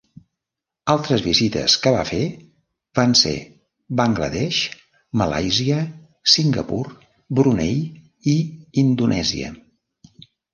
Altres visites que va fer van ser Bangla Desh, Malàisia, Singapur, Brunei i Indonèsia.